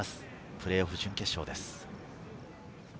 プレーオフ準決勝です。